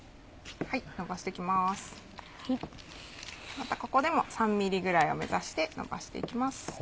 またここでも３ｍｍぐらいを目指してのばしていきます。